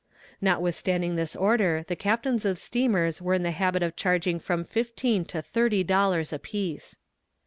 Notwithstanding this order the captains of steamers were in the habit of charging from fifteen to thirty dollars apiece.